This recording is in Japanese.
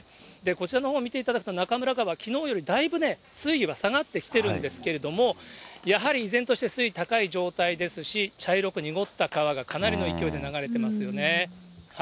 こちらのほう、見ていただくと、中村川、きのうよりだいぶね、水位は下がってきてるんですけれども、やはり依然として、水位高い状態ですし、茶色く濁った川がかなりの勢いで流れてますよね。